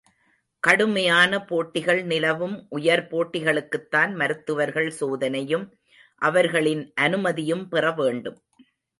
கடுமையான போட்டிகள் நிலவும் உயர் போட்டிகளுக்குத்தான் மருத்துவர்கள் சோதனையும், அவர்களின் அனுமதியும் பெற வேண்டும்.